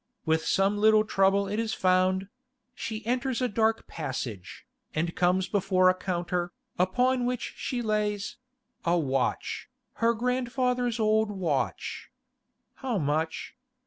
With some little trouble it is found; she enters a dark passage, and comes before a counter, upon which she lays—a watch, her grandfather's old watch. 'How much?